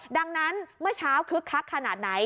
ดังนั้นเมื่อเช้าคึกคักขนาดไหน